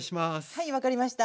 はい分かりました。